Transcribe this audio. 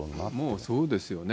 もうそうですよね。